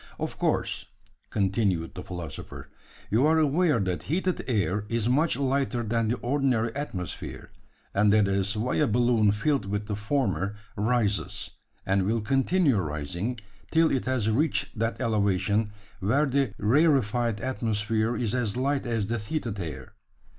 Of course," continued the philosopher, "you are aware that heated air is much lighter than the ordinary atmosphere; and that is why a balloon filled with the former, rises, and will continue rising, till it has reached that elevation, where the rarefied atmosphere is as light as the heated air.